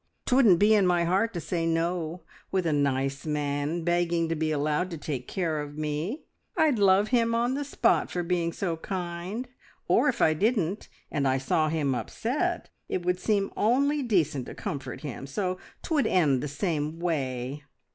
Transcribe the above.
'Twouldn't be in my heart to say no, with a nice man begging to be allowed to take care of me. I'd love him on the spot for being so kind; or if I didn't, and I saw him upset, it would seem only decent to comfort him, so 'twould end the same way.